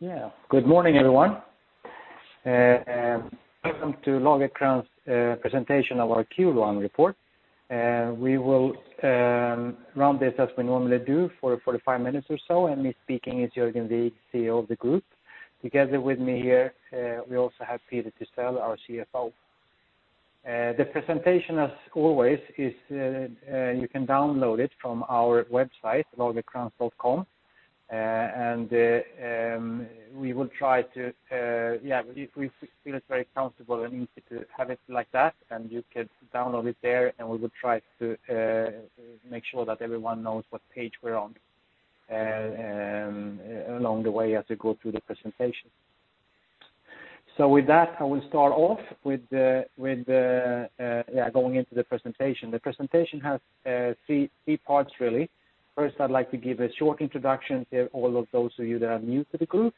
Yeah, good morning, everyone. Welcome to Lagercrantz presentation of our Q1 report. We will run this as we normally do for 45 minutes or so. Me speaking is Jörgen Wijk, CEO of the group. Together with me here, we also have Peter Thysell, our CFO. The presentation, as always, is, you can download it from our website, lagercrantz.com. We will try to, if we feel it's very comfortable and easy to have it like that, and you can download it there, and we will try to make sure that everyone knows what page we're on along the way as we go through the presentation. With that, I will start off with the going into the presentation. The presentation has three parts, really. First, I'd like to give a short introduction to all of those of you that are new to the group,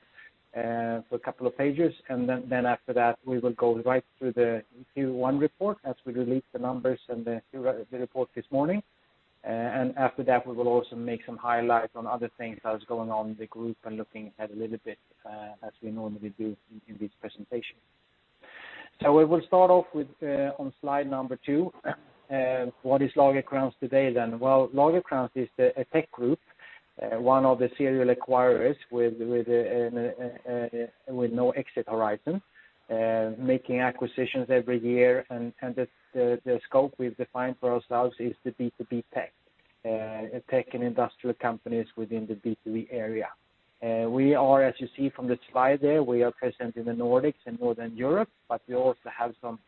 for a couple of pages, and then after that, we will go right through the Q1 report as we release the numbers and the report this morning. After that, we will also make some highlights on other things that is going on in the group and looking ahead a little bit, as we normally do in this presentation. We will start off with on slide number two. What is Lagercrantz today then? Well, Lagercrantz is the, a tech group, one of the serial acquirers with no exit horizon, making acquisitions every year, and the scope we've defined for ourselves is the B2B tech and industrial companies within the B2B area. We are, as you see from the slide there, we are present in the Nordics and Northern Europe, but we also have some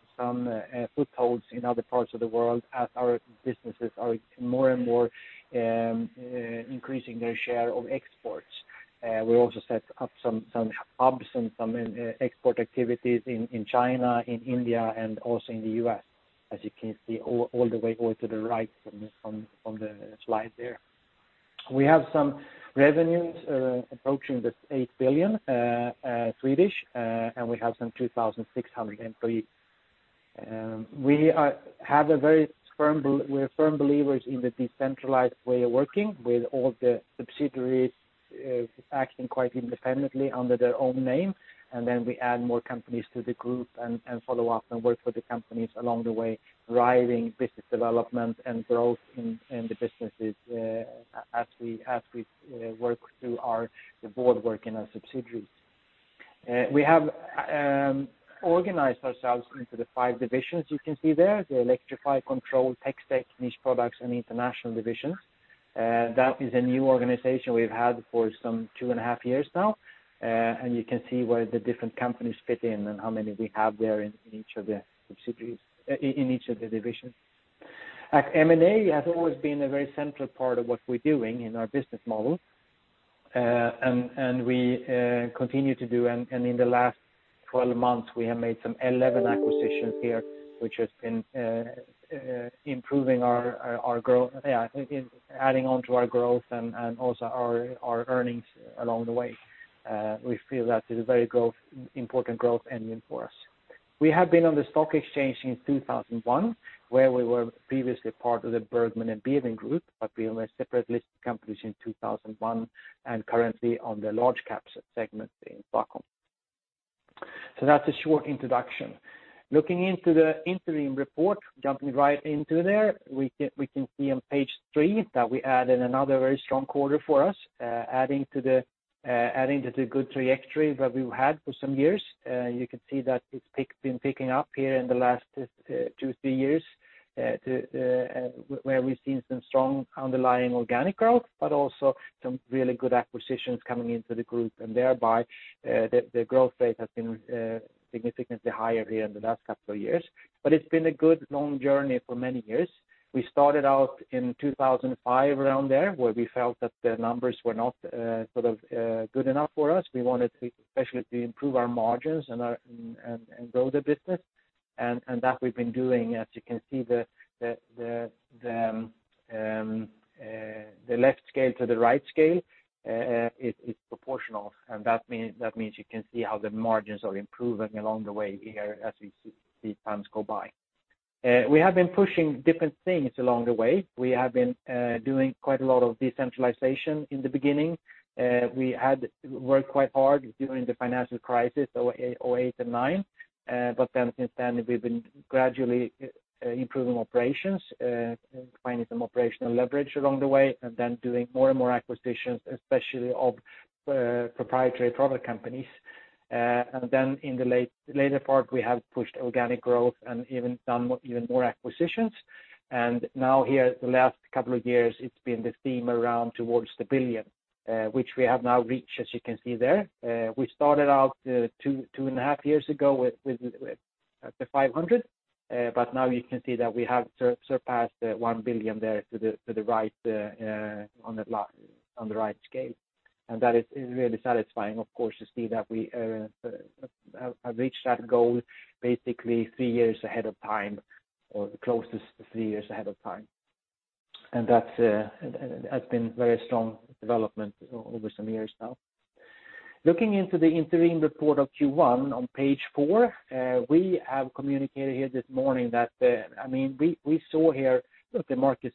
footholds in other parts of the world as our businesses are more and more increasing their share of exports. We also set up some hubs and some export activities in China, in India, and also in the US, as you can see all the way over to the right on the slide there. We have some revenues approaching 8 billion, and we have some 2,600 employees. We're firm believers in the decentralized way of working, with all the subsidiaries acting quite independently under their own name, and then we add more companies to the group and follow up and work with the companies along the way, driving business development and growth in the businesses as we work through the board work in our subsidiaries. We have organized ourselves into the five divisions you can see there, the Electrify, Control, TecSec, Niche Products, and International Division. That is a new organization we've had for some two and a half years now, and you can see where the different companies fit in and how many we have there in each of the subsidiaries, in each of the divisions. At M&A has always been a very central part of what we're doing in our business model, and we continue to do, and in the last 12 months, we have made some 11 acquisitions here, which has been improving our growth. Adding on to our growth and also our earnings along the way. We feel that is a very important growth engine for us. We have been on the stock exchange since 2001, where we were previously part of the Bergman & Beving Group. We were a separate listed company since 2001, currently on the large cap segment in Stockholm. That's a short introduction. Looking into the interim report, jumping right into there, we can see on page 3 that we added another very strong quarter for us, adding to the good trajectory that we've had for some years. You can see that it's been picking up here in the last 2, 3 years, to where we've seen some strong underlying organic growth. Also some really good acquisitions coming into the group, thereby the growth rate has been significantly higher here in the last couple of years. It's been a good long journey for many years. We started out in 2005, around there, where we felt that the numbers were not sort of good enough for us. We wanted to especially to improve our margins and our, and grow the business, and that we've been doing. As you can see, the left scale to the right scale is proportional, and that means you can see how the margins are improving along the way here as we see times go by. We have been pushing different things along the way. We have been doing quite a lot of decentralization in the beginning. We had worked quite hard during the financial crisis, so 2008 and 2009. Since then, we've been gradually improving operations, finding some operational leverage along the way, doing more and more acquisitions, especially of proprietary product companies. In the later part, we have pushed organic growth and even more acquisitions. Now here, the last couple of years, it's been the theme around towards 1 billion, which we have now reached, as you can see there. We started out 2 and a half years ago with 500 million, but now you can see that we have surpassed 1 billion there to the right, on the right scale. That is really satisfying, of course, to see that we have reached that goal basically 3 years ahead of time, or close to 3 years ahead of time. That's been very strong development over some years now. Looking into the interim report of Q1 on page 4, we have communicated here this morning that, I mean, we saw here that the market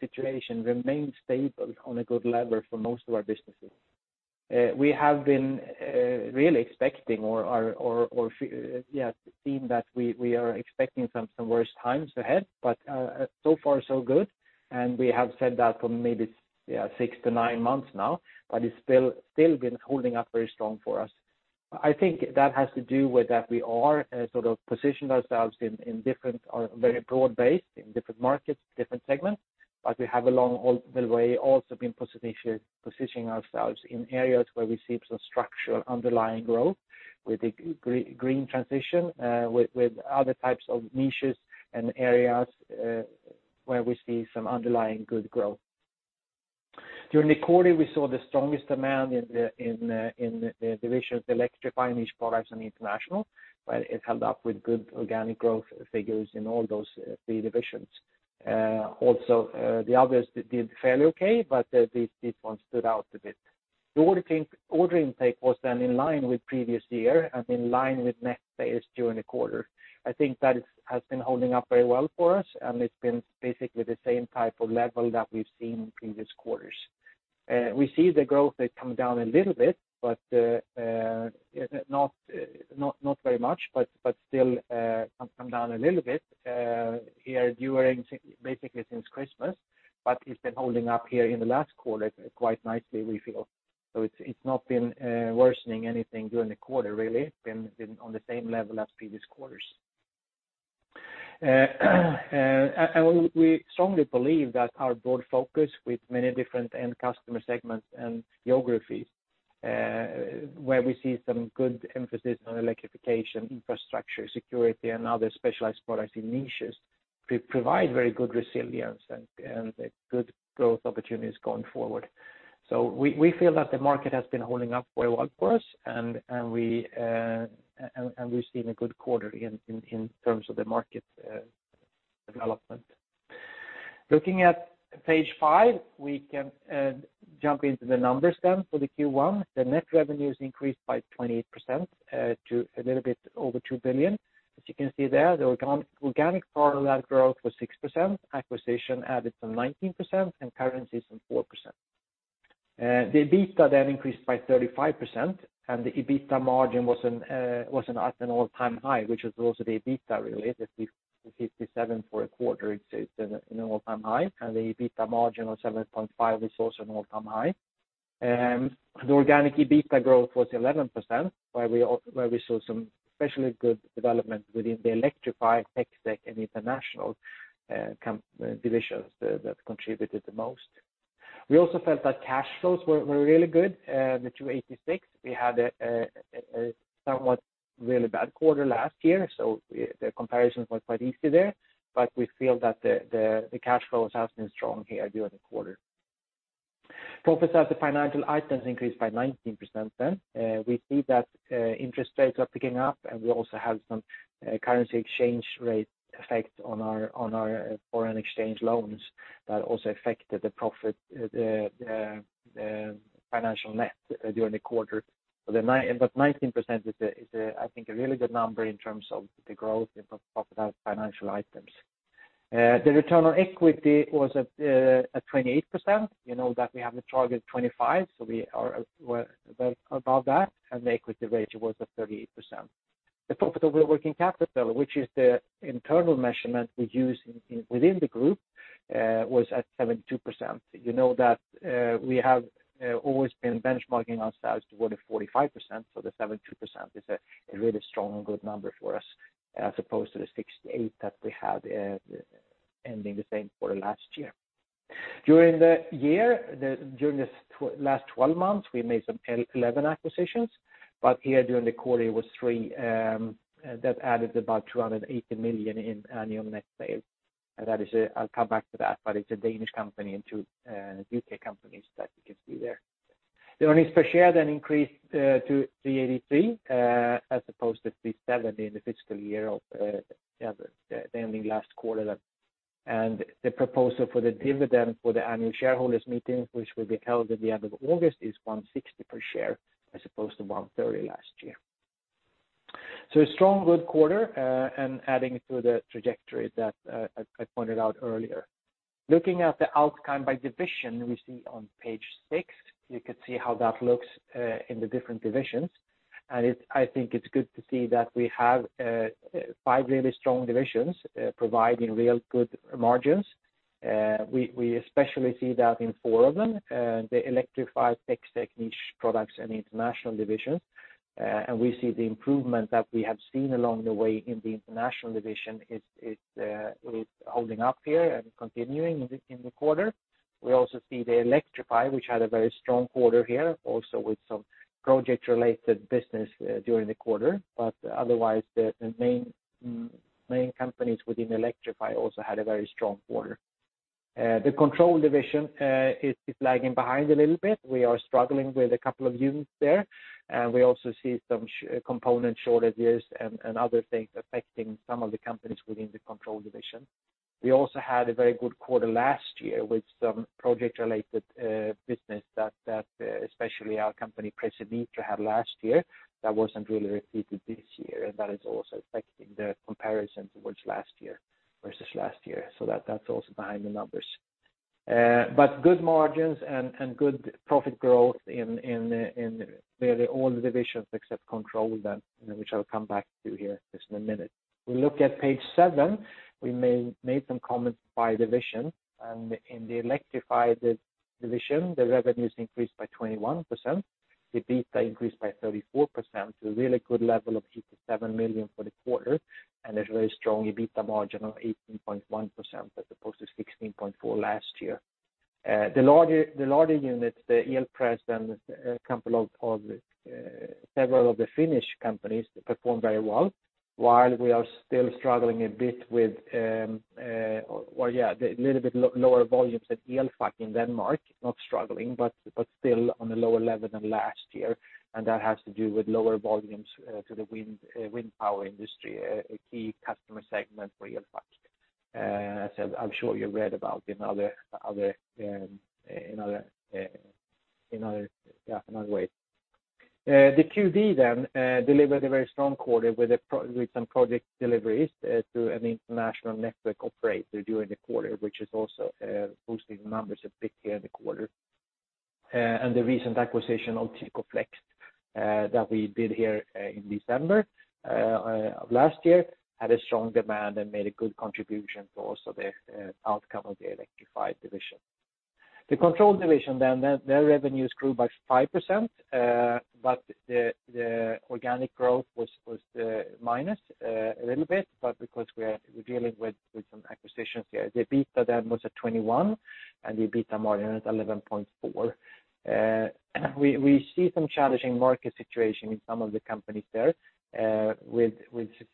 situation remains stable on a good level for most of our businesses. We have been really expecting or, yes, seeing that we are expecting some worse times ahead, but so far so good. We have said that for maybe, yeah, 6 to 9 months now, but it's still been holding up very strong for us. I think that has to do with that we are sort of positioned ourselves in different or very broad base, in different markets, different segments, but we have along all the way also been positioning ourselves in areas where we see some structural underlying growth with the green transition, with other types of niches and areas, where we see some underlying good growth. During the quarter, we saw the strongest demand in the divisions, Electrify, Niche Products and International, but it held up with good organic growth figures in all those three divisions. Also, the others did fairly okay, but these ones stood out a bit. The ordering intake was then in line with previous year and in line with next phase during the quarter. I think that has been holding up very well for us, and it's been basically the same type of level that we've seen in previous quarters. We see the growth has come down a little bit, but not very much, but still come down a little bit here during basically since Christmas, but it's been holding up here in the last quarter quite nicely, we feel. It's not been worsening anything during the quarter, really, been on the same level as previous quarters. We strongly believe that our broad focus with many different end customer segments and geographies, where we see some good emphasis on electrification, infrastructure, security, and other specialized products in niches, provide very good resilience and good growth opportunities going forward. We feel that the market has been holding up very well for us, and we've seen a good quarter in terms of the market development. Looking at page 5, we can jump into the numbers then for the Q1. The net revenues increased by 28%, to a little bit over 2 billion. As you can see there, the organic product growth was 6%, acquisition added some 19%, and currencies some 4%. The EBITDA then increased by 35%, and the EBITDA margin was at an all-time high, which is also the EBITDA, really, the 57 for a quarter, it's an all-time high, and the EBITDA margin of 7.5% is also an all-time high. The organic EBITDA growth was 11%, where we saw some especially good development within the Electrify tech and International divisions that contributed the most. We also felt that cash flows were really good, the 286. We had a somewhat really bad quarter last year, so the comparison was quite easy there, but we feel that the cash flows have been strong here during the quarter. Profit as the financial items increased by 19% then. We see that interest rates are picking up, and we also have some currency exchange rate effects on our foreign exchange loans that also affected the profit financial net during the quarter. The 19% is a, is a, I think, a really good number in terms of the growth in profit as financial items. The return on equity was at 28%. You know that we have a target of 25%, so we are well above that, and the equity rate was at 38%. The profit over working capital, which is the internal measurement we use in, within the group, was at 72%. You know that we have always been benchmarking ourselves toward a 45%, so the 72% is a really strong and good number for us, as opposed to the 68% that we had ending the same quarter last year. During the year, during this last 12 months, we made some 11 acquisitions, but here during the quarter, it was 3, that added about 280 million in annual net sales. That is a... I'll come back to that, but it's a Danish company and two UK companies that you can see there. The earnings per share increased to 3.83, as opposed to 3.70 in the fiscal year of the ending last quarter. The proposal for the dividend for the annual shareholders meeting, which will be held at the end of August, is 1.60 per share, as opposed to 1.30 last year. A strong, good quarter, and adding to the trajectory that I pointed out earlier. Looking at the outcome by division, we see on page 6, you can see how that looks in the different divisions. I think it's good to see that we have 5 really strong divisions providing real good margins. We especially see that in 4 of them, the Electrify Niche Products and the International divisions. We see the improvement that we have seen along the way in the International division is holding up here and continuing in the quarter. We also see the Electrify, which had a very strong quarter here, also with some project-related business during the quarter, but otherwise, the main companies within Electrify also had a very strong quarter. The Control division is lagging behind a little bit. We are struggling with a couple of units there, and we also see some component shortages and other things affecting some of the companies within the Control division. We also had a very good quarter last year with some project-related business that, especially our company, Precimeter, had last year, that wasn't really repeated this year, and that is also affecting the comparison versus last year, so that's also behind the numbers. But good margins and good profit growth in really all the divisions except Control then, which I'll come back to here just in a minute. We look at page 7, we made some comments by division, and in the Electrify division, the revenues increased by 21%. The EBITDA increased by 34% to a really good level of 87 million for the quarter, and a very strong EBITDA margin of 18.1%, as opposed to 16.4% last year. The larger units, the Elpress and a couple of several of the Finnish companies performed very well, while we are still struggling a bit with the little bit lower volumes at Elfac in Denmark, not struggling, but still on a lower level than last year. That has to do with lower volumes to the wind power industry, a key customer segment for Elfac. As I'm sure you read about in other in other in other ways. The QD then delivered a very strong quarter with some project deliveries to an international network operator during the quarter, which is also boosting the numbers a bit here in the quarter. The recent acquisition of Teproflex that we did here in December of last year had a strong demand and made a good contribution to also the outcome of the Electrify division. The Control division, then their revenues grew by 5%, but the organic growth was minus a little bit, but because we are dealing with some acquisitions here, the EBITDA then was at 21, and the EBITDA margin is 11.4%. We see some challenging market situation in some of the companies there, with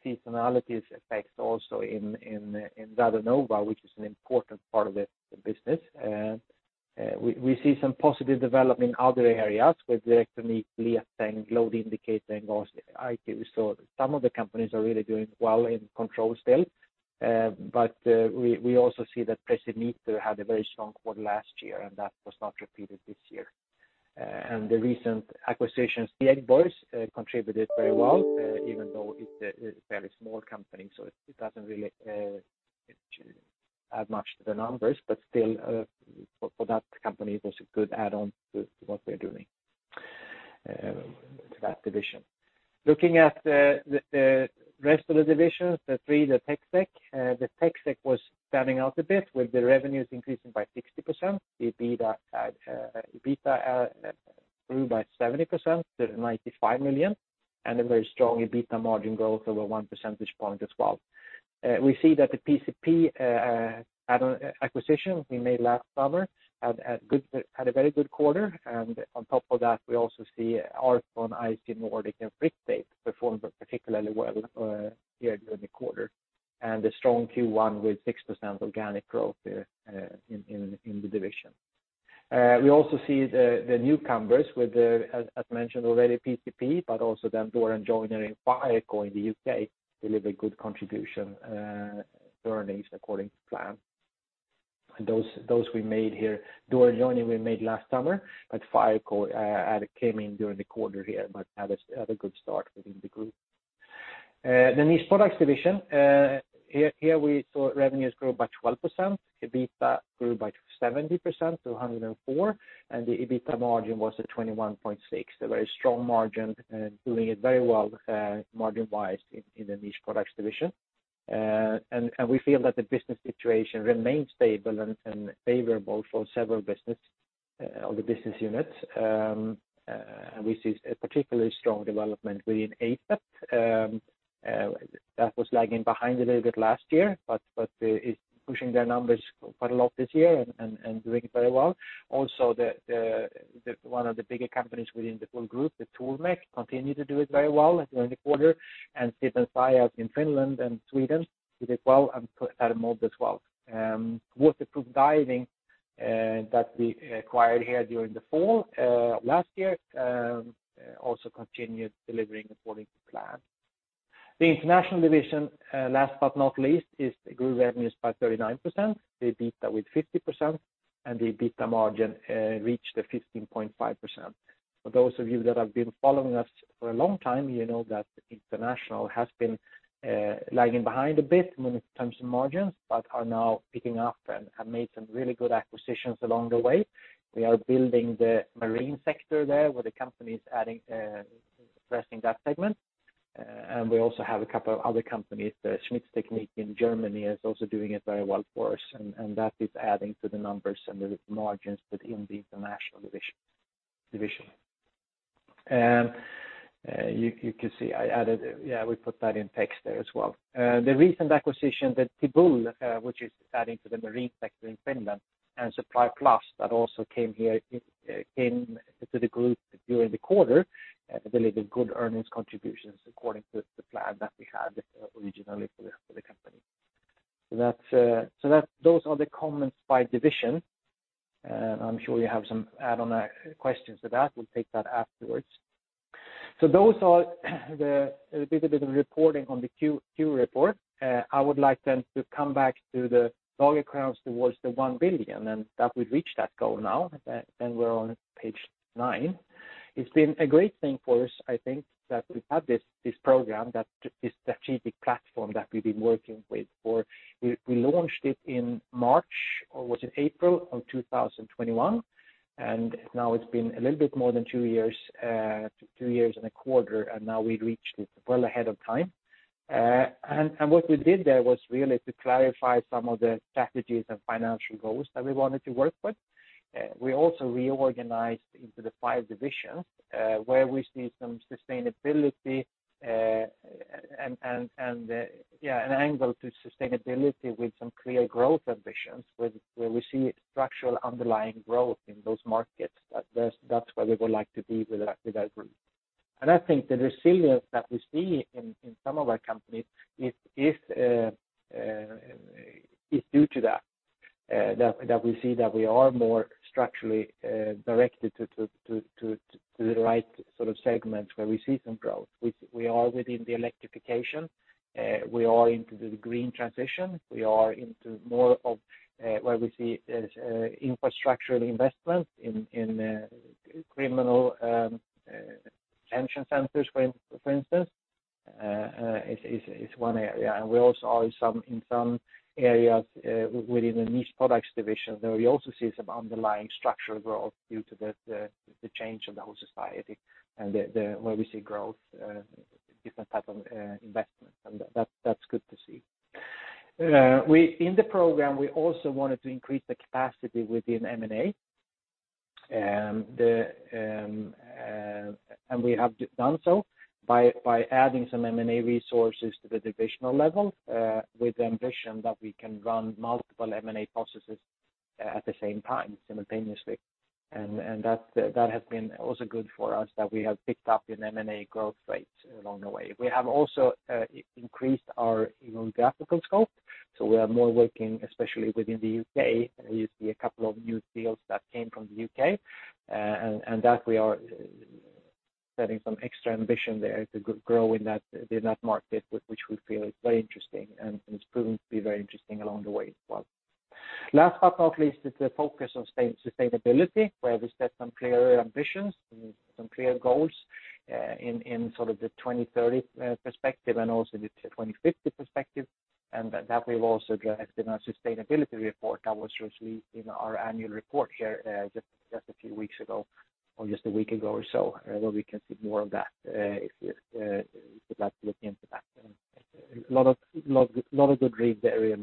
seasonality effects also in Datenova, which is an important part of the business. We see some positive development in other areas with Direktronik, Lia, and Load Indicator and also IQ. Some of the companies are really doing well in Control still, but we also see that Precimeter had a very strong quarter last year, and that was not repeated this year. The recent acquisitions, Dieckborg, contributed very well, even though it's a fairly small company, so it doesn't really add much to the numbers. Still, for that company, it was a good add-on to what we're doing to that division. Looking at the rest of the divisions, the three, the TecSec was standing out a bit, with the revenues increasing by 60%. The EBITDA grew by 70% to 95 million, and a very strong EBITDA margin growth over 1 percentage point as well. We see that the PCP acquisition we made last summer had a very good quarter, and on top of that, we also see Aras, IC Nordic, and Brictel performed particularly well here during the quarter, and a strong Q1 with 6% organic growth in the division. We also see the newcomers with the as mentioned already, PCP, also then Door and Joinery and Fireco in the UK, deliver good contribution, earnings according to plan. Those we made here, Door and Joinery we made last summer, but Fireco came in during the quarter here, but had a good start within the group. The Niche Products division here we saw revenues grow by 12%. EBITDA grew by 70% to 104, and the EBITDA margin was at 21.6%. A very strong margin, doing it very well margin-wise in the Niche Products division. We feel that the business situation remains stable and favorable for several business on the business units. We see a particularly strong development within Acep that was lagging behind a little bit last year, but it's pushing their numbers quite a lot this year and doing it very well. The one of the bigger companies within the full group, the Tormek, continue to do it very well during the quarter, and Steelfire in Finland and Sweden did well and El-produkter as well. Waterproof Diving, that we acquired here during the fall last year, also continued delivering according to plan. The International division, last but not least, is the group revenues by 39%, the EBITDA with 50%, and the EBITDA margin reached a 15.5%. For those of you that have been following us for a long time, you know that International has been lagging behind a bit when it comes to margins, but are now picking up and have made some really good acquisitions along the way. We are building the marine sector there, where the company is adding, addressing that segment. We also have a couple of other companies. The Schmitzs-technik in Germany is also doing it very well for us, and that is adding to the numbers and the margins within the International division. You can see I added... Yeah, we put that in text there as well. The recent acquisition, the Tebul, which is adding to the marine sector in Finland, and Supply Plus, that also came here, came to the group during the quarter, delivered good earnings contributions according to the plan that we had originally for the company. Those are the comments by division, and I'm sure you have some add-on questions to that. We'll take that afterwards. Those are the little bit of the reporting on the Q2 report. I would like then to come back to the Lagercrantz towards the 1 billion, and that we've reached that goal now, and we're on page 9. It's been a great thing for us, I think, that we have this program, that this strategic platform that we've been working with for we launched it in March, or was it April of 2021, and now it's been a little bit more than 2 years, 2 years and a quarter, and now we've reached it well ahead of time. And what we did there was really to clarify some of the strategies and financial goals that we wanted to work with. We also reorganized into the five divisions, where we see some sustainability, and, yeah, an angle to sustainability with some clear growth ambitions, where we see structural underlying growth in those markets. That's where we would like to be with our group. I think the resilience that we see in some of our companies is due to that we see that we are more structurally directed to the right sort of segments where we see some growth. We are within the electrification, we are into the green transition. We are into more of where we see infrastructure investments in criminal engine centers, for instance, is one area. We also are in some areas within the Niche Products division, where we also see some underlying structural growth due to the change in the whole society and the where we see growth, different type of investment, and that's good to see. In the program, we also wanted to increase the capacity within M&A. We have done so by adding some M&A resources to the divisional level, with the ambition that we can run multiple M&A processes at the same time, simultaneously. That has been also good for us, that we have picked up an M&A growth rate along the way. We have also increased our geographical scope, so we are more working, especially within the UK. You see a couple of new deals that came from the UK, and that we are setting some extra ambition there to grow in that market, which we feel is very interesting, and it's proven to be very interesting along the way as well. Last but not least, is the focus on sustainability, where we set some clear ambitions and some clear goals in sort of the 2030 perspective and also the 2050 perspective. That we've also addressed in our sustainability report that was just released in our annual report here just a few weeks ago, or just a week ago or so, where we can see more of that, if you would like to look into that. A lot of good reads there.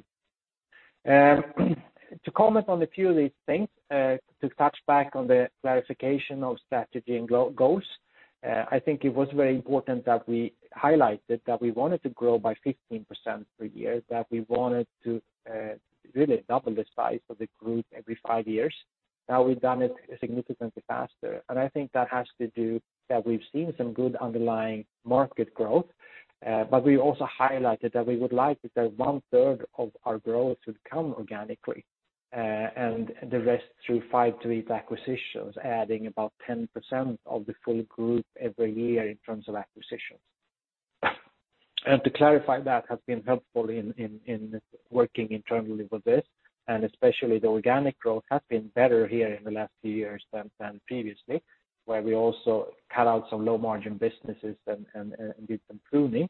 To comment on a few of these things, to touch back on the clarification of strategy and goals, I think it was very important that we highlighted that we wanted to grow by 15% per year, that we wanted to really double the size of the group every 5 years. We've done it significantly faster, and I think that has to do that we've seen some good underlying market growth, but we also highlighted that we would like that one third of our growth to come organically, and the rest through 5-8 acquisitions, adding about 10% of the full group every year in terms of acquisitions. To clarify, that has been helpful in working internally with this, and especially the organic growth has been better here in the last few years than previously, where we also cut out some low-margin businesses and did some pruning.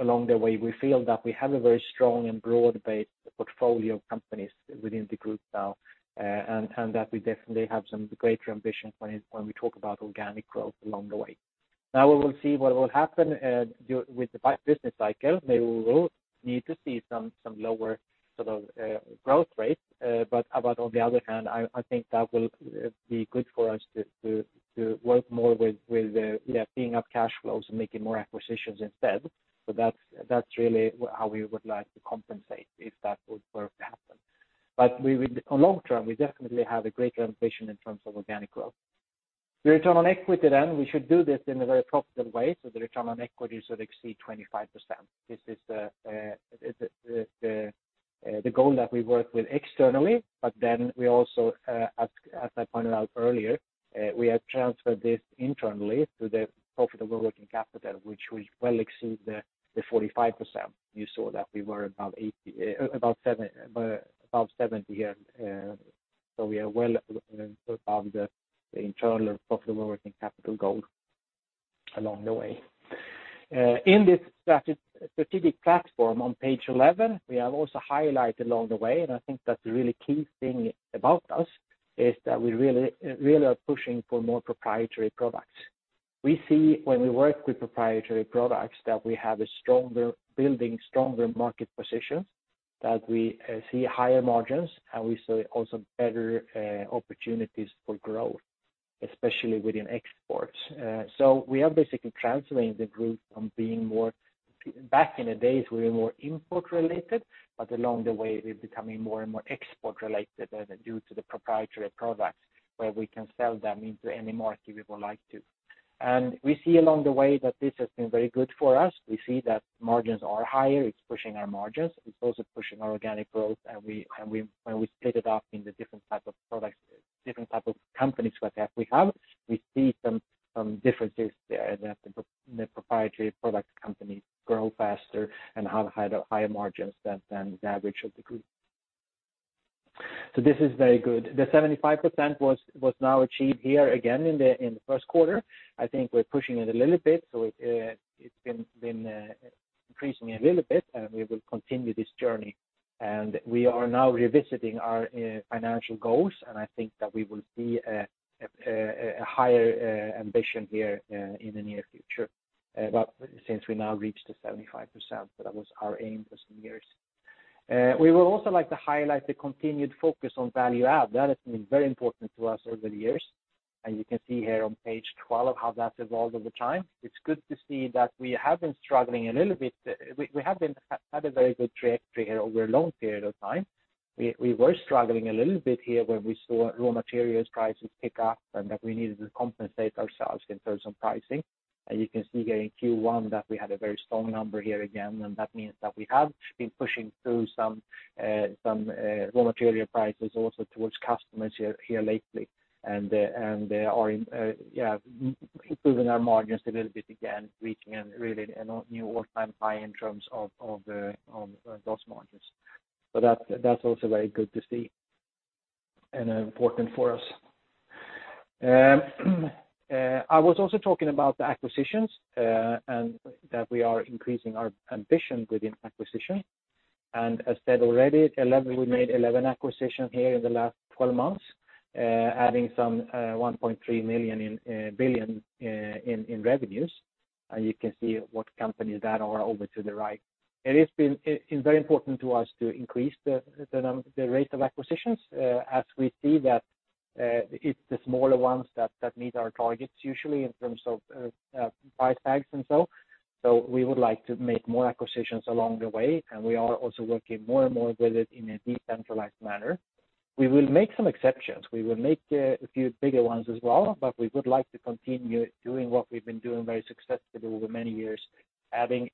Along the way, we feel that we have a very strong and broad-based portfolio of companies within the group now, and that we definitely have some greater ambition when we talk about organic growth along the way. We will see what will happen with the business cycle. Maybe we will need to see some lower sort of growth rates, but on the other hand, I think that will be good for us to work more with, yeah, seeing up cash flows and making more acquisitions instead. That's really how we would like to compensate if that were to happen. On long term, we definitely have a greater ambition in terms of organic growth. The return on equity, we should do this in a very profitable way, so the return on equity should exceed 25%. This is the goal that we work with externally, we also, as I pointed out earlier, we have transferred this internally to the profitable working capital, which will well exceed the 45%. You saw that we were about 70, we are well above the internal profitable working capital goal along the way. In this strategic platform on page 11, we have also highlighted along the way, and I think that's a really key thing about us, is that we really, really are pushing for more proprietary products. We see when we work with proprietary products, that we have a building stronger market position, that we see higher margins, and we see also better opportunities for growth, especially within exports. So we are basically translating the group from being Back in the days, we were more import-related, but along the way, we're becoming more and more export-related, due to the proprietary products, where we can sell them into any market we would like to. We see along the way that this has been very good for us. We see that margins are higher. It's pushing our margins. It's also pushing our organic growth, when we split it up into different type of products, different type of companies that we have, we see some differences there, that the proprietary product companies grow faster and have higher margins than the average of the group. This is very good. The 75% was now achieved here again in the first quarter. I think we're pushing it a little bit, so it's been increasing a little bit, and we will continue this journey. We are now revisiting our financial goals, and I think that we will see a higher ambition here in the near future. Since we now reached the 75%, that was our aim for some years. We would also like to highlight the continued focus on value add. That has been very important to us over the years, and you can see here on page 12 how that's evolved over time. It's good to see that we have been struggling a little bit. We had a very good trajectory here over a long period of time. We were struggling a little bit here when we saw raw materials prices pick up, and that we needed to compensate ourselves in terms of pricing. You can see here in Q1 that we had a very strong number here again, and that means that we have been pushing through some raw material prices also towards customers here lately. They are, yeah, improving our margins a little bit again, reaching a really new all-time high in terms of on those margins. That's also very good to see and important for us. I was also talking about the acquisitions and that we are increasing our ambition within acquisition. As said already, 11, we made 11 acquisition here in the last 12 months, adding some 1.3 billion in revenues. You can see what companies that are over to the right. It has been, it's very important to us to increase the rate of acquisitions, as we see that it's the smaller ones that meet our targets usually in terms of price tags and so. We would like to make more acquisitions along the way, and we are also working more and more with it in a decentralized manner. We will make some exceptions. We will make a few bigger ones as well, but we would like to continue doing what we've been doing very successfully over many years, adding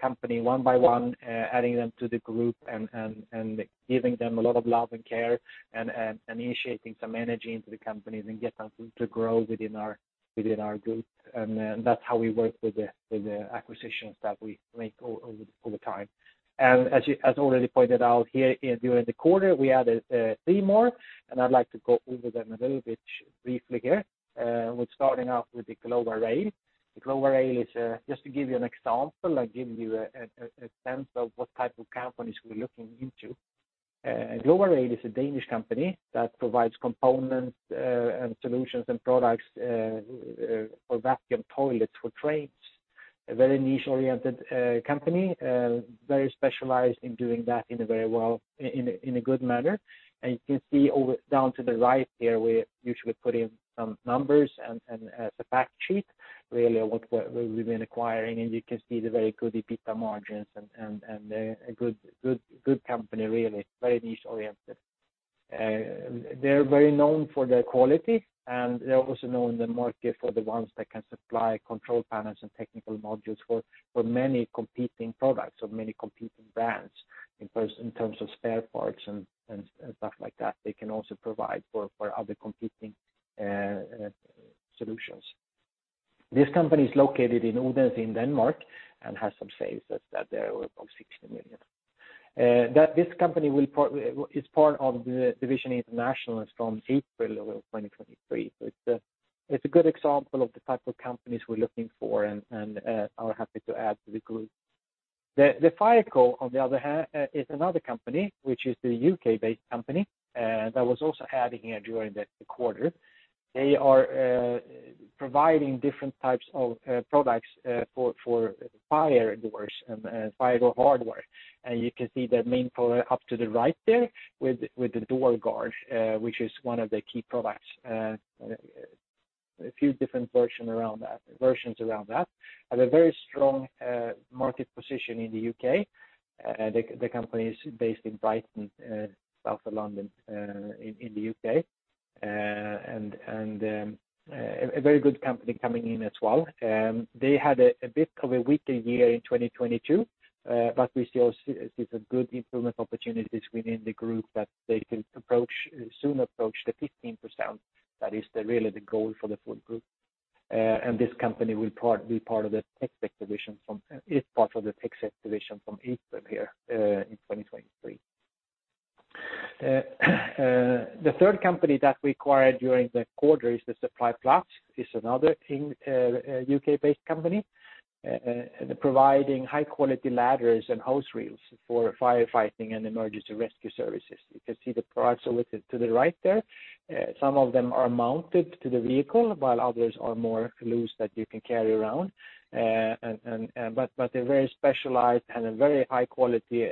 company one by one, adding them to the group and giving them a lot of love and care, and initiating some energy into the companies and get them to grow within our group. That's how we work with the acquisitions that we make over time. As already pointed out here, during the quarter, we added three more, and I'd like to go over them a little bit briefly here. We're starting off with the Glova Rail. The Glova Rail is just to give you an example, like, give you a sense of what type of companies we're looking into. Glova Rail is a Danish company that provides components and solutions and products for vacuum toilets for trains. A very niche-oriented company, very specialized in doing that in a very well, in a good manner. You can see over down to the right here, we usually put in some numbers and as a fact sheet, really what we've been acquiring, and you can see the very good EBITDA margins and a good company, really, very niche-oriented. They're very known for their quality, and they're also known in the market for the ones that can supply control panels and technical modules for many competing products, so many competing brands. In terms of spare parts and stuff like that, they can also provide for other competing solutions. This company is located in Odense in Denmark and has some sales that there are above 60 million. This company is part of the division International from April of 2023. It's a good example of the type of companies we're looking for and are happy to add to the group. The Fireco, on the other hand, is another company, which is the UK-based company, that was also adding here during the quarter. They are providing different types of products for fire doors and fire door hardware. You can see the main product up to the right there with the Dorgard, which is one of the key products, a few different versions around that. Have a very strong market position in the UK, the company is based in Brighton, south of London, in the UK. A very good company coming in as well. They had a bit of a weaker year in 2022, but we still see some good improvement opportunities within the group that they can approach, soon approach the 15%. That is really the goal for the full group. This company is part of the tech division from April here, in 2023. The third company that we acquired during the quarter is Supply Plus Limited, is another U.K.-based company, providing high-quality ladders and hose reels for firefighting and emergency rescue services. You can see the products over to the right there. Some of them are mounted to the vehicle, while others are more loose that you can carry around. They're very specialized and a very high quality,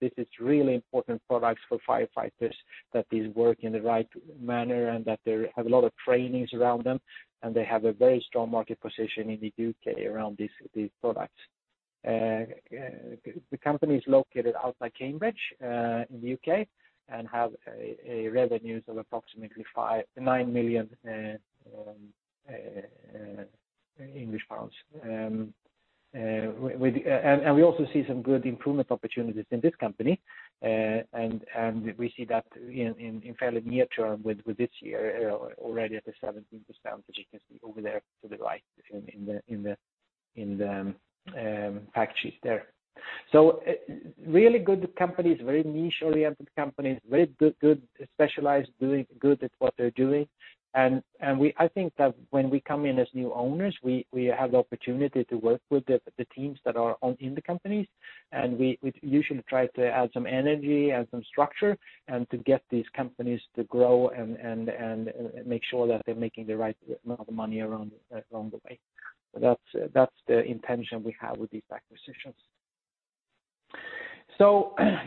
this is really important products for firefighters, that these work in the right manner and that they have a lot of trainings around them, and they have a very strong market position in the U.K. around these products. The company is located outside Cambridge, in the UK, and have a revenues of approximately 5-9 million pounds. With. We also see some good improvement opportunities in this company, and we see that in fairly near term with this year, already at the 17%, which you can see over there to the right in the fact sheet there. Really good companies, very niche-oriented companies, very good specialized, doing good at what they're doing. I think that when we come in as new owners, we have the opportunity to work with the teams that are in the companies, and we usually try to add some energy, add some structure, and to get these companies to grow and make sure that they're making the right amount of money along the way. That's the intention we have with these acquisitions.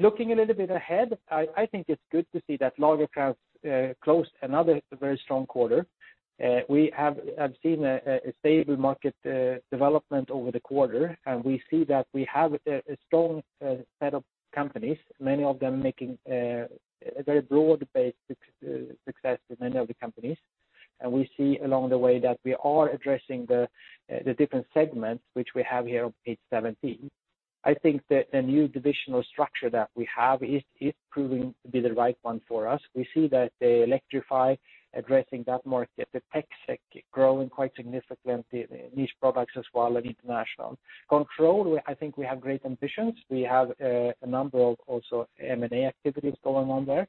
Looking a little bit ahead, I think it's good to see that Lagercrantz closed another very strong quarter. We have seen a stable market development over the quarter, and we see that we have a strong set of companies, many of them making a very broad-based success with many of the companies. We see along the way that we are addressing the different segments which we have here on page 17. I think the new divisional structure that we have is proving to be the right one for us. We see that the Electrify, addressing that market, the tech sector growing quite significantly, Niche Products as well, and International. Control, I think we have great ambitions. We have a number of also M&A activities going on there.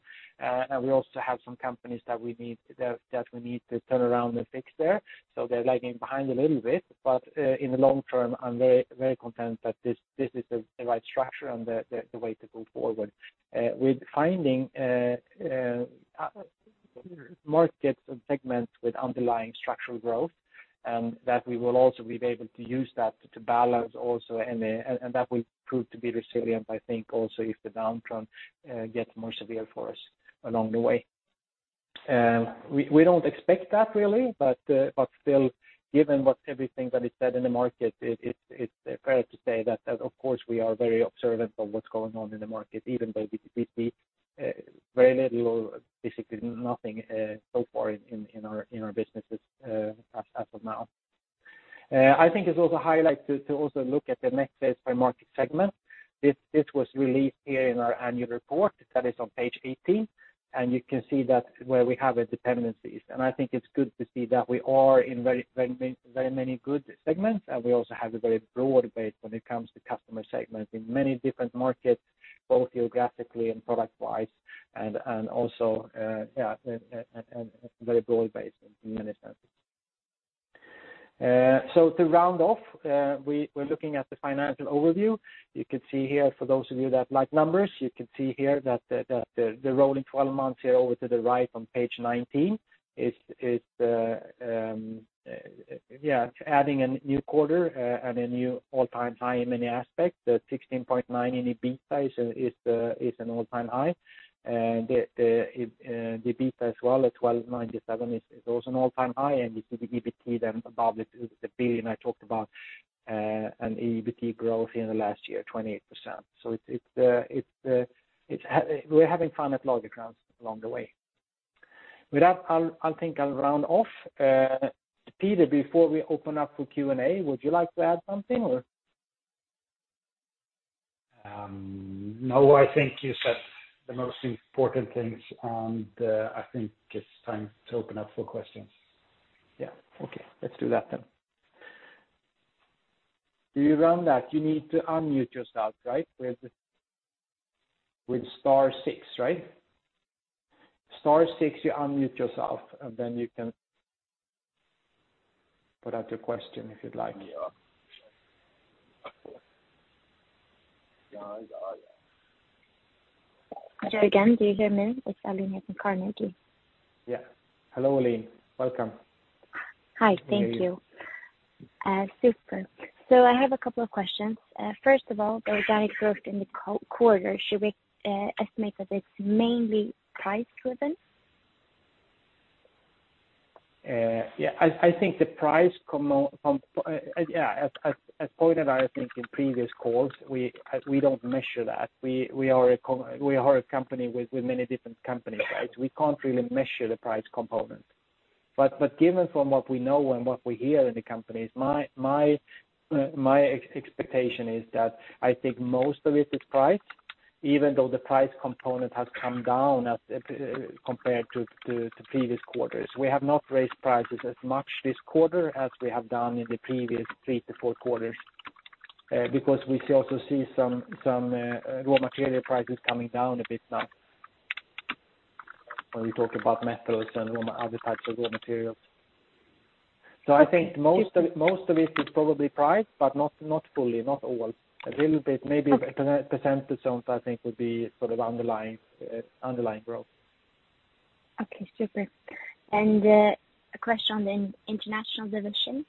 We also have some companies that we need that we need to turn around and fix there. They're lagging behind a little bit, but in the long term, I'm very, very content that this is the right structure and the way to go forward. We're finding markets and segments with underlying structural growth that we will also be able to use that to balance also, that will prove to be resilient, I think, also, if the downturn gets more severe for us along the way. We don't expect that really, but still, given what everything that is said in the market, it's fair to say that, of course, we are very observant of what's going on in the market, even though we see very little, basically nothing, so far in our businesses as of now. I think it's also highlight to also look at the mix by market segment. This was released here in our annual report that is on page 18, and you can see that where we have a dependencies. I think it's good to see that we are in very many good segments. We also have a very broad base when it comes to customer segments in many different markets, both geographically and product-wise, and also, yeah, and very broad base in many senses. To round off, we're looking at the financial overview. You can see here, for those of you that like numbers, you can see here that the rolling 12 months here over to the right on page 19 is, yeah, adding a new quarter and a new all-time high in many aspects. The 16.9 in EBITDA is, uh, is an all-time high. The, uh, the EBITDA as well, at 1,297, is also an all-time high, you see the EBIT above the 1 billion I talked about, and EBIT growth in the last year, 28%. It's, uh, it's, uh, we're having fun at Lagercrantz along the way. With that, I'll think I'll round off. Peter, before we open up for Q&A, would you like to add something or? No, I think you said the most important things, and I think it's time to open up for questions. Yeah. Okay, let's do that then. To you run that, you need to unmute yourself, right? With star six, right? Star six, you unmute yourself, and then you can put out your question, if you'd like. Again, do you hear me? It's Ellin at Carnegie. Yeah. Hello, Ellin. Welcome. Hi. Thank you. Hi. Super. I have a couple of questions. First of all, the organic growth in the quarter, should we estimate that it's mainly price driven? Yeah, I think the price component, yeah, as pointed out, I think, in previous calls, we don't measure that. We are a company with many different companies, right? We can't really measure the price component. Given from what we know and what we hear in the companies, my expectation is that I think most of it is price, even though the price component has come down as compared to previous quarters. We have not raised prices as much this quarter as we have done in the previous 3 to 4 quarters, because we also see some raw material prices coming down a bit now. When we talk about metals and other types of raw materials. I think most. If- Most of it is probably price, but not fully, not all. A little bit, maybe. Okay. a percentage zone, I think, would be sort of underlying growth. Okay, super. A question on the International Division.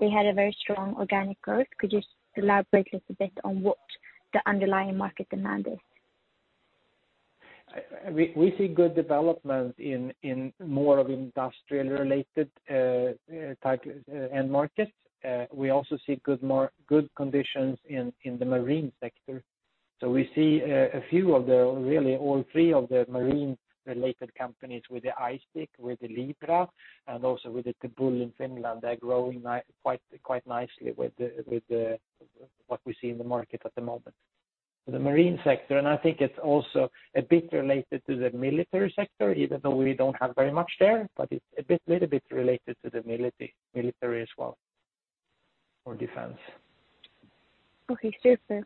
They had a very strong organic growth. Could you just elaborate a little bit on what the underlying market demand is? We see good development in more of industrial-related type end markets. We also see good conditions in the marine sector. We see a few of the, really all three of the marine-related companies with the ISIC, with the Libra, and also with the Tebul in Finland, they're growing quite nicely with the, what we see in the market at the moment. The marine sector, and I think it's also a bit related to the military sector, even though we don't have very much there, but it's a bit, little bit related to the military as well, or defense. Okay, super.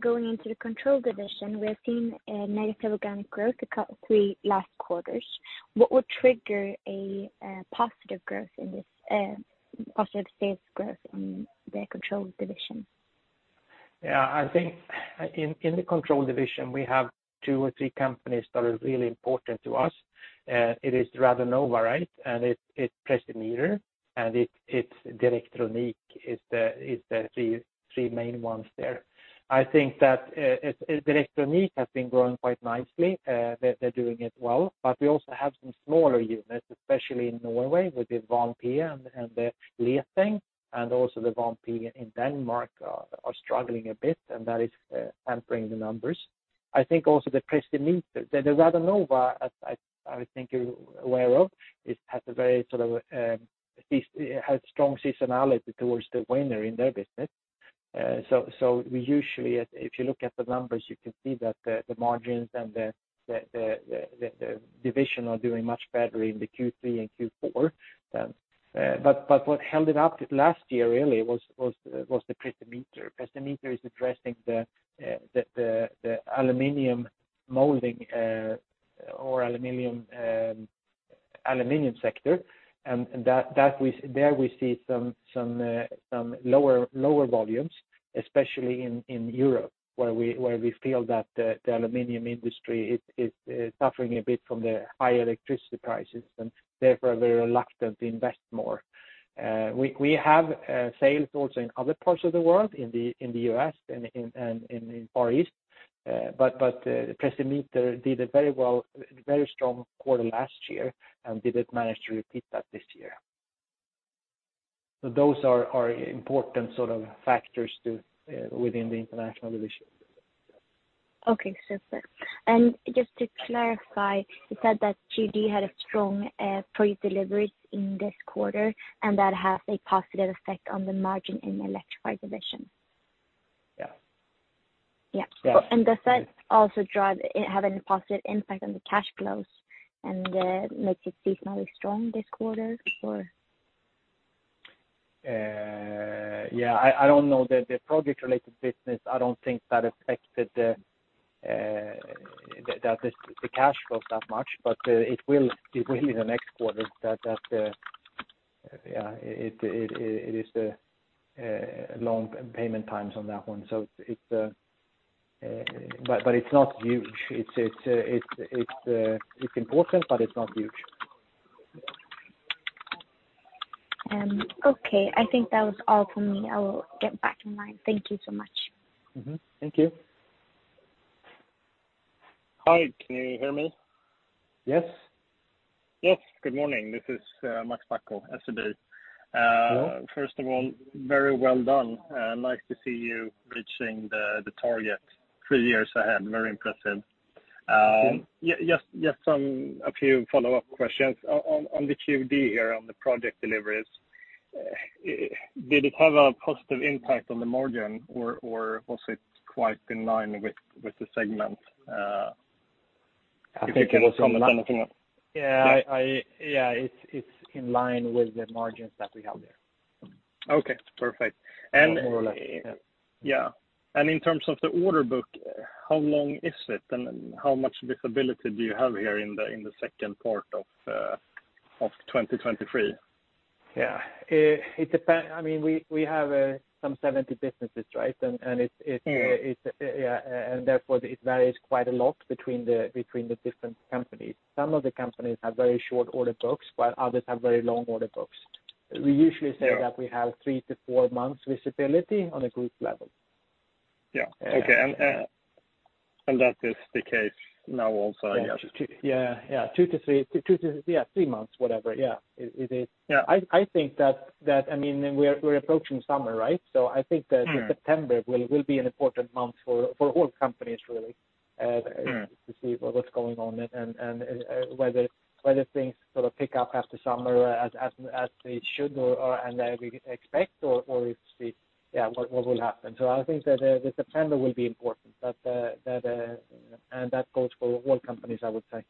Going into the Control division, we're seeing a negative organic growth three last quarters. What would trigger a positive growth in this positive sales growth in the Control division? Yeah, I think in the Control division, we have two or three companies that are really important to us. It is Radonova, right? It's Precimeter, and it's Direktronik is the three main ones there. I think that Direktronik has been growing quite nicely. They're doing it well, but we also have some smaller units, especially in Norway, with the Vanpee and the Liating, and also the Vanpee in Denmark are struggling a bit, and that is hampering the numbers. I think also the Precimeter, the Radonova, as I think you're aware of, has a very sort of strong seasonality towards the winter in their business. We usually, if you look at the numbers, you can see that the margins and the division are doing much better in the Q3 and Q4. What held it up last year really was the Precimeter. Precimeter is addressing the aluminum molding or aluminum sector, and that there we see some lower volumes, especially in Europe, where we feel that the aluminum industry is suffering a bit from the high electricity prices, and therefore they're reluctant to invest more. We have sales also in other parts of the world, in the U.S. and in Far East, but Precimeter did a very well, very strong quarter last year and didn't manage to repeat that this year. Those are important sort of factors to within the International Division. Okay, super. Just to clarify, you said that QD had a strong pre-deliveries in this quarter, and that has a positive effect on the margin in the Electrify division? Yeah. Yeah. Yeah. Does that also have any positive impact on the cash flows and makes it seasonally strong this quarter, or? Yeah, I don't know. The project-related business, I don't think that affected the cash flow that much, but it will in the next quarter that, yeah, it is the long payment times on that one. It's... It's not huge. It's important, but it's not huge. Okay, I think that was all for me. I will get back in line. Thank you so much. Mm-hmm. Thank you. Hi, can you hear me? Yes. Yes, good morning. This is Max Bacco, SEB. Hello. First of all, very well done, and nice to see you reaching the target three years ahead. Very impressive. Thank you. Just some, a few follow-up questions. On the QD here, on the project deliveries, did it have a positive impact on the margin, or was it quite in line with the segment? I think it was- If you can comment on it? Yeah, I, yeah, it's in line with the margins that we have there. Okay, perfect. More or less, yeah. Yeah. In terms of the order book, how long is it, and how much visibility do you have here in the, in the second part of 2023? Yeah. I mean, we have some 70 businesses, right? Yeah... yeah, therefore it varies quite a lot between the different companies. Some of the companies have very short order books, while others have very long order books. Yeah. We usually say that we have 3-4 months visibility on a group level. Yeah. Yeah. Okay, that is the case now also, I guess? Yeah, yeah, 2-3, Yeah, 3 months, whatever. Yeah, it is. Yeah. I think that, I mean, we're approaching summer, right? I think that. Mm September will be an important month for all companies, really. Mm... to see what's going on and whether things sort of pick up after summer as they should or we expect or if the. Yeah, what will happen. I think that September will be important, but that and that goes for all companies, I would say.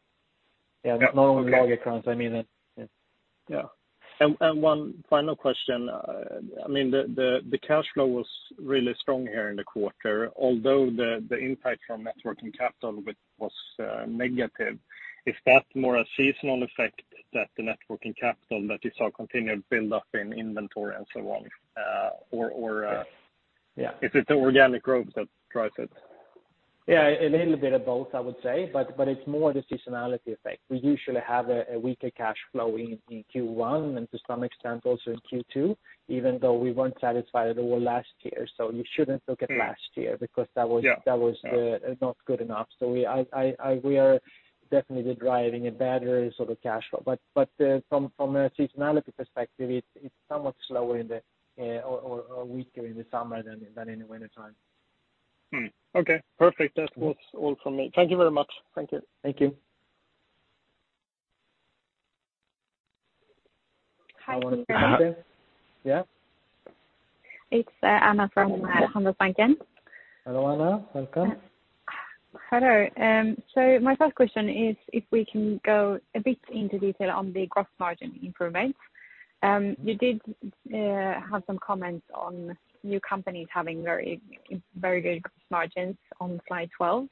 Yeah, okay. Yeah, not only Logicon, I mean it. Yeah. Yeah. One final question, I mean, the cash flow was really strong here in the quarter, although the impact from net working capital, which was negative, is that more a seasonal effect that the net working capital, you saw continued build up in inventory and so on, or? Yeah Is it the organic growth that drives it? A little bit of both, I would say, it's more the seasonality effect. We usually have a weaker cash flow in Q1 and to some extent also in Q2, even though we weren't satisfied with last year. You shouldn't look at last year. Yeah.... because that was not good enough. We are definitely driving a better sort of cash flow. From a seasonality perspective, it's somewhat slower in the or weaker in the summer than in the wintertime. Okay, perfect. That's all from me. Thank you very much. Thank you. Thank you. Hi, yeah? It's Anna from Handelsbanken. Hello, Anna, welcome. Hello. My first question is if we can go a bit into detail on the gross margin improvements. You did have some comments on new companies having very, very good margins on slide 12.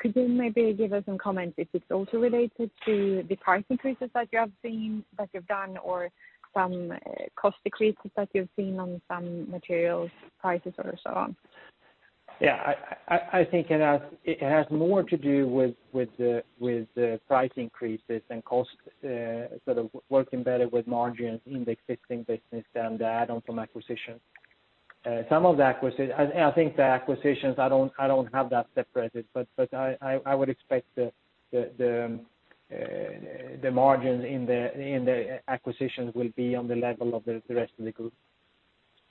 Could you maybe give us some comments if it's also related to the price increases that you have seen, that you've done, or some cost decreases that you've seen on some materials, prices, or so on? Yeah, I think it has more to do with the price increases and cost sort of working better with margins in the existing business than the add-on from acquisition. I think the acquisitions, I don't have that separated, but I would expect the margins in the acquisitions will be on the level of the rest of the group.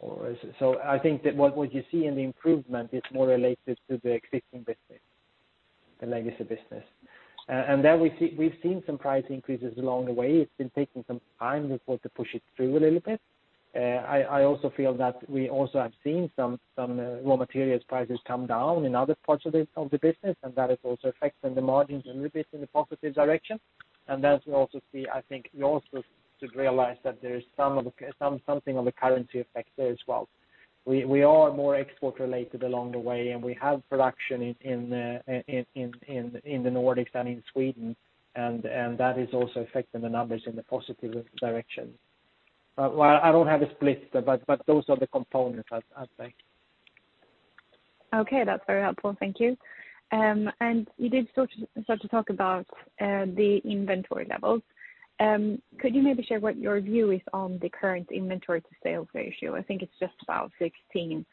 I think that what you see in the improvement is more related to the existing business, the legacy business. Then we've seen some price increases along the way. It's been taking some time before to push it through a little bit. I also feel that we also have seen some raw materials prices come down in other parts of the business, and that is also affecting the margins a little bit in the positive direction. I think we also should realize that there is some of the something on the currency effect there as well. We are more export related along the way, and we have production in the Nordics and in Sweden, and that is also affecting the numbers in the positive direction. Well, I don't have a split, but those are the components, I think. Okay, that's very helpful. Thank you. You did sort of talk about the inventory levels. Could you maybe share what your view is on the current inventory-to-sales ratio? I think it's just about 16.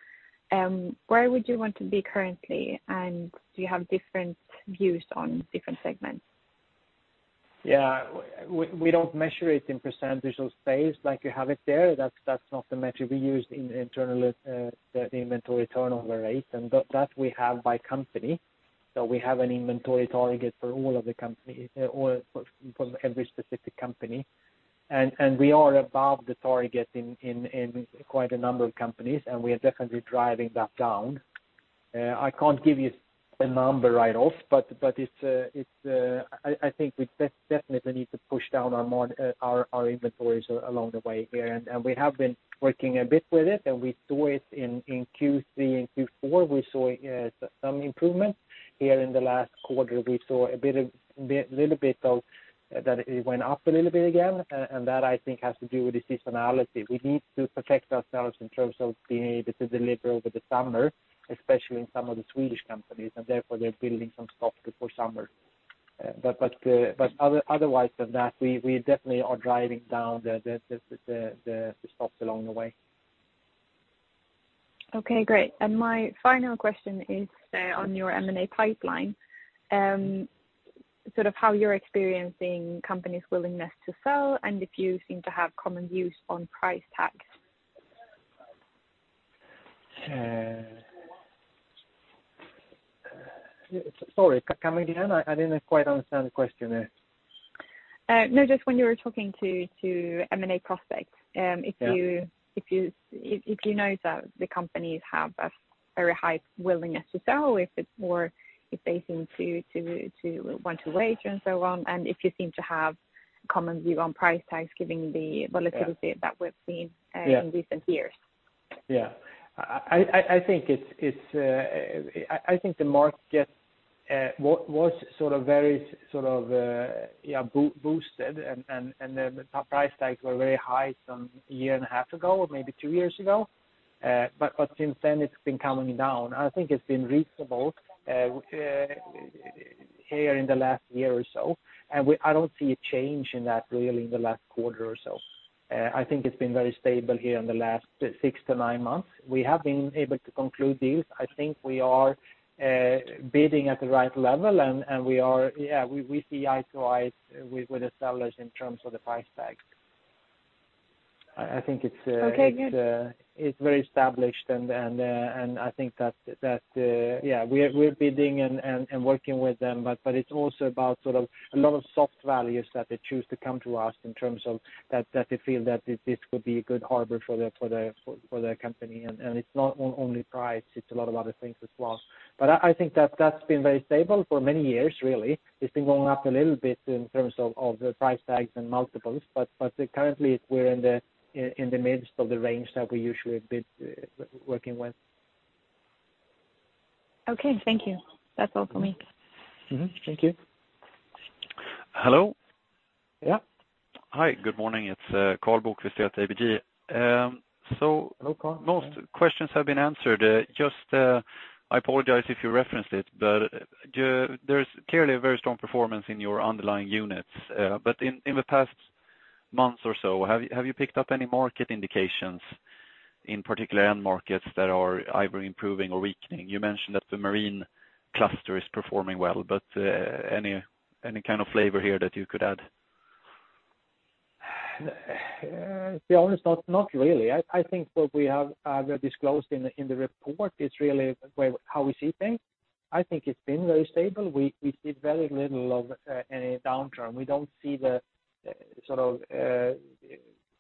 Where would you want to be currently, and do you have different views on different segments? Yeah, we don't measure it in percentage of sales like you have it there. That's not the metric we use in internal, the inventory turnover rate, and that we have by company. We have an inventory target for all of the companies, or for every specific company. We are above the target in quite a number of companies, and we are definitely driving that down. I can't give you a number right off, but it's, I think we definitely need to push down on more our inventories along the way here. We have been working a bit with it, and we saw it in Q3 and Q4, we saw some improvement. Here in the last quarter, we saw a little bit of that it went up a little bit again. That, I think, has to do with the seasonality. We need to protect ourselves in terms of being able to deliver over the summer, especially in some of the Swedish companies, and therefore, they're building some stock before summer. Otherwise than that, we definitely are driving down the stocks along the way. Okay, great. My final question is, on your M&A pipeline, sort of how you're experiencing companies' willingness to sell and if you seem to have common views on price tag? Sorry, come again? I didn't quite understand the question there. No, just when you were talking to M&A prospects. Yeah... if you know that the companies have a very high willingness to sell, if it's more, if they seem to want to wait and so on, and if you seem to have common view on price tags, given the volatility. Yeah that we've seen. Yeah... in recent years. Yeah. I think it's the market was sort of very, sort of, yeah, boosted, and the price tags were very high some year and a half ago, or maybe two years ago. Since then it's been coming down. I think it's been reasonable here in the last year or so, I don't see a change in that really in the last quarter or so. I think it's been very stable here in the last six to nine months. We have been able to conclude deals. I think we are bidding at the right level, and we are, yeah, we see eye to eye with the sellers in terms of the price tags. I think it's. Okay, good.... it's very established, and I think that, yeah, we're bidding and working with them, but it's also about sort of a lot of soft values that they choose to come to us in terms of that they feel that this could be a good harbor for their company. It's not only price, it's a lot of other things as well. I think that's been very stable for many years, really. It's been going up a little bit in terms of the price tags and multiples, but currently we're in the midst of the range that we usually bid, working with. Okay, thank you. That's all for me. Mm-hmm. Thank you. Hello? Yeah. Hi, good morning. It's Carl Bo- at ABG. Hello, Carl.... most questions have been answered. just, I apologize if you referenced it, there's clearly a very strong performance in your underlying units. In, in the past month or so, have you picked up any market indications, in particular end markets, that are either improving or weakening? You mentioned that the marine cluster is performing well, but any kind of flavor here that you could add? To be honest, not really. I think what we have disclosed in the report is really where, how we see things. I think it's been very stable. We see very little of any downturn. We don't see the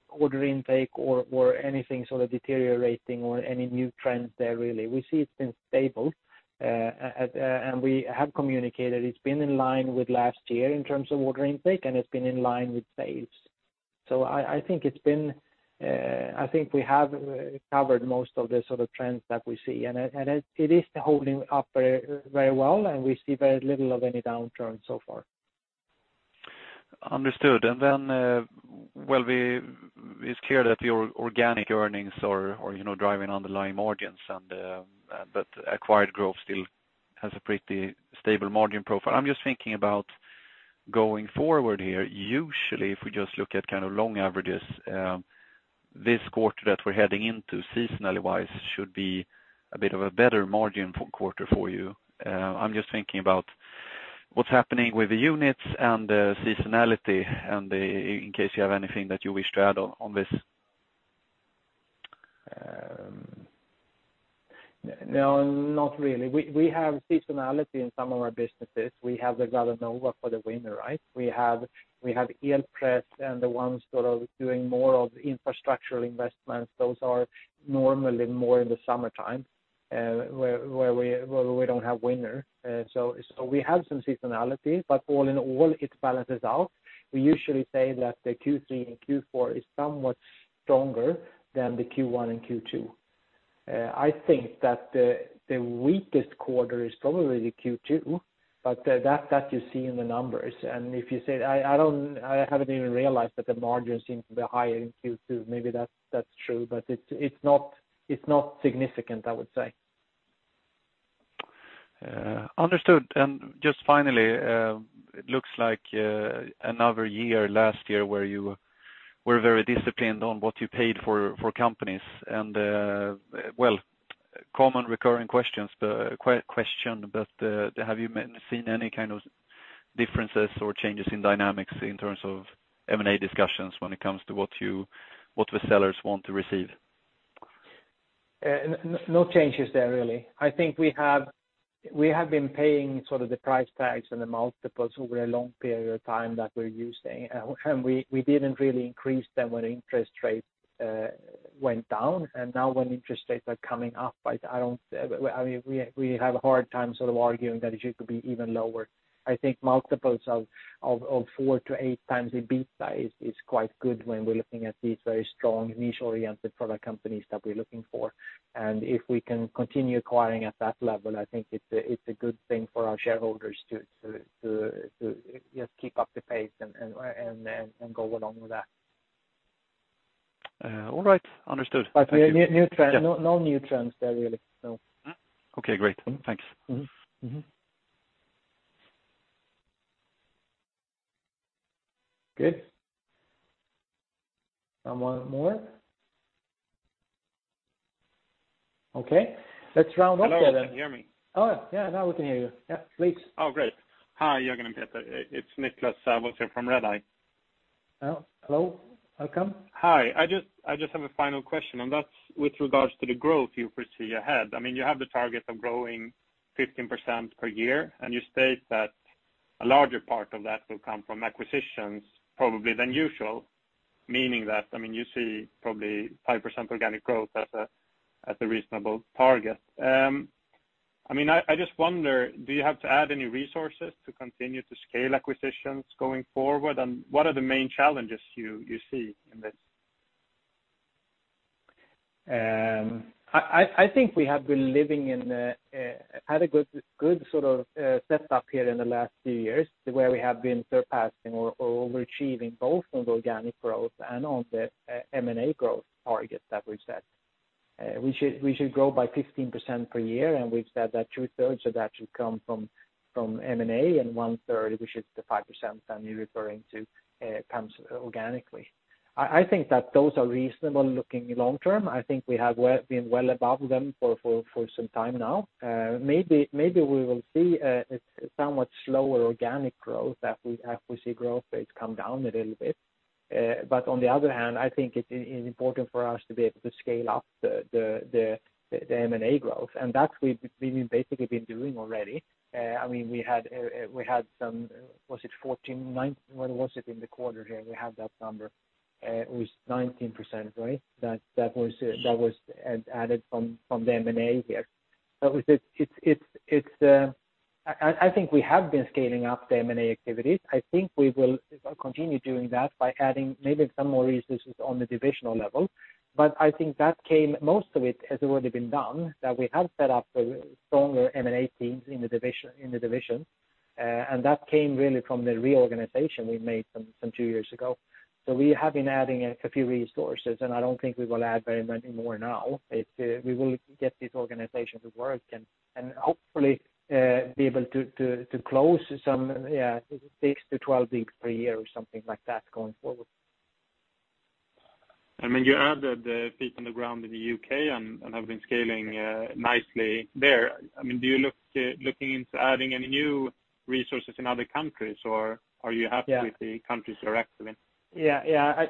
order intake or anything deteriorating or any new trends there, really. We see it's been stable, and we have communicated it's been in line with last year in terms of order intake, and it's been in line with sales. I think it's been, I think we have covered most of the trends that we see, and it is holding up very, very well, and we see very little of any downturn so far. Understood. Well, it's clear that your organic earnings are, you know, driving underlying margins, but acquired growth still has a pretty stable margin profile. I'm just thinking about going forward here. Usually, if we just look at kind of long averages, this quarter that we're heading into, seasonally-wise, should be a bit of a better margin quarter for you. I'm just thinking about what's happening with the units and the seasonality, in case you have anything that you wish to add on this. No, not really. We have seasonality in some of our businesses. We have the Gallanova for the winter, right? We have Elpress and the ones sort of doing more of infrastructural investments. Those are normally more in the summertime, where we don't have winter. We have some seasonality, but all in all, it balances out. We usually say that the Q3 and Q4 is somewhat stronger than the Q1 and Q2. I think that the weakest quarter is probably the Q2, but that you see in the numbers. If you say, I haven't even realized that the margins seem to be higher in Q2. Maybe that's true, but it's not significant, I would say. Understood. Just finally, it looks like another year, last year, where you were very disciplined on what you paid for companies. Well, common recurring questions, question, but have you seen any kind of differences or changes in dynamics in terms of M&A discussions when it comes to what you, what the sellers want to receive? No, no changes there, really. I think we have been paying sort of the price tags and the multiples over a long period of time that we're used to. We didn't really increase them when interest rates went down, and now when interest rates are coming up, I don't. I mean, we have a hard time sort of arguing that it should be even lower. I think multiples of 4 to 8 times in EBITDA is quite good when we're looking at these very strong, niche-oriented product companies that we're looking for. If we can continue acquiring at that level, I think it's a good thing for our shareholders to just keep up the pace and go along with that. All right. Understood. New trend. Yeah. No, no new trends there, really. No. Okay, great. Thanks. Mm-hmm. Mm-hmm. Good. Someone more? Okay, let's round up then. Hello, can you hear me? Oh, yeah, now we can hear you. Yeah, please. Oh, great. Hi, Jörgen and Peter. It's Niklas from Redeye. Hello. Welcome. Hi. I just have a final question, that's with regards to the growth you foresee ahead. I mean, you have the target of growing 15% per year, you state that a larger part of that will come from acquisitions, probably than usual, meaning that, I mean, you see probably 5% organic growth as a reasonable target. I mean, I just wonder, do you have to add any resources to continue to scale acquisitions going forward? What are the main challenges you see in this? I think we have been living in a good sort of setup here in the last few years, where we have been surpassing or overachieving both on the organic growth and on the M&A growth targets that we've set. We should grow by 15% per year, and we've said that two-thirds of that should come from M&A, and one-third, which is the 5% that you're referring to, comes organically. I think that those are reasonable looking long term. I think we have been well above them for some time now. Maybe we will see a somewhat slower organic growth as we see growth rates come down a little bit. On the other hand, I think it's important for us to be able to scale up the M&A growth, and that's we've basically been doing already. I mean, we had some... Was it 14.9%? What was it in the quarter here? We have that number. It was 19%, right? That was added from the M&A here. I think we have been scaling up the M&A activities. I think we will continue doing that by adding maybe some more resources on the divisional level. But I think that came, most of it, has already been done, that we have set up a stronger M&A teams in the division. That came really from the reorganization we made some two years ago. We have been adding a few resources, and I don't think we will add very many more now. It's, we will get this organization to work and hopefully be able to close some 6-12 deals per year or something like that going forward. I mean, you added the feet on the ground in the UK and have been scaling nicely there. I mean, do you look looking into adding any new resources in other countries, or are you happy? Yeah. with the countries you're active in? Yeah.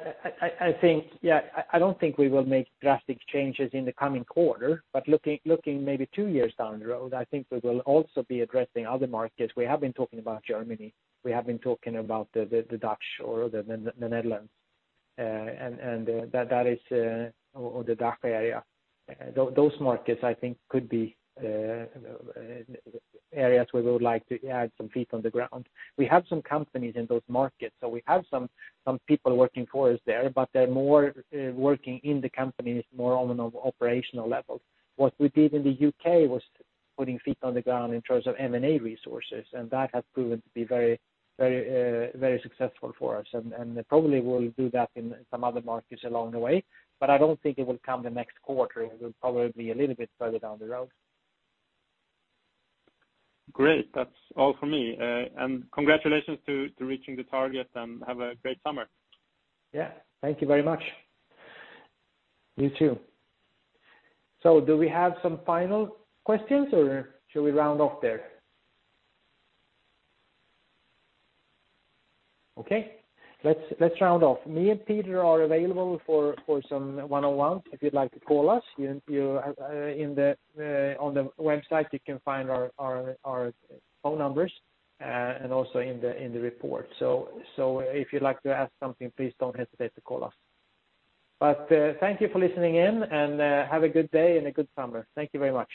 I think, yeah, I don't think we will make drastic changes in the coming quarter, but looking maybe 2 years down the road, I think we will also be addressing other markets. We have been talking about Germany. We have been talking about the Dutch or the Netherlands, and that is or the DACH area. Those markets, I think, could be areas where we would like to add some feet on the ground. We have some companies in those markets, so we have some people working for us there, but they're more working in the companies, more on an operational level. What we did in the U.K. was putting feet on the ground in terms of M&A resources, and that has proven to be very successful for us. Probably we'll do that in some other markets along the way, but I don't think it will come the next quarter. It will probably be a little bit further down the road. Great. That's all for me. Congratulations to reaching the target. Have a great summer. Yeah. Thank you very much. You, too. Do we have some final questions, or should we round off there? Okay, let's round off. Me and Peter are available for some one-on-one, if you'd like to call us. You in the on the website, you can find our phone numbers and also in the in the report. If you'd like to ask something, please don't hesitate to call us. Thank you for listening in, and have a good day and a good summer. Thank you very much.